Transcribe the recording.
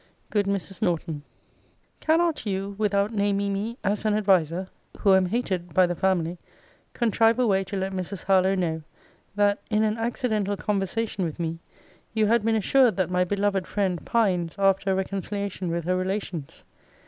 GOOD MRS. NORTON, Cannot you, without naming me as an adviser, who am hated by the family, contrive a way to let Mrs. Harlowe know, that in an accidental conversation with me, you had been assured that my beloved friend pines after a reconciliation with her relations?